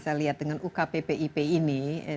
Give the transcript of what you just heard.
saya lihat dengan ukppip ini